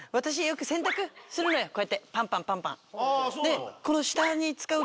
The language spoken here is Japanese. こうやってパンパンパンパン。